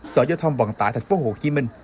sở giao thông vận tải tp hcm